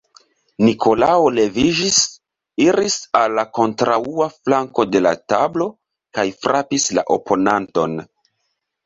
Nikolao leviĝis, iris al la kontraŭa flanko de la tablo kaj frapis la oponanton.